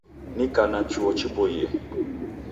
Nika na chuo chiboie.